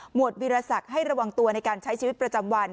วดวิรสักให้ระวังตัวในการใช้ชีวิตประจำวัน